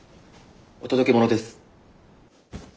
お届け物です。